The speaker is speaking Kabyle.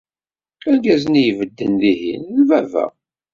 Argaz-nni ay ibedden dihin d baba.